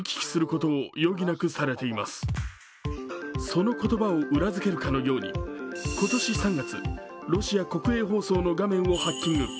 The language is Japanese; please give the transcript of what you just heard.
その言葉を裏付けるかのように今年３月、ロシア国営放送の画面をハッキング。